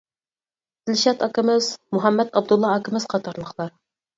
دىلشات ئاكىمىز، مۇھەممەد ئابدۇللا ئاكىمىز قاتارلىقلار.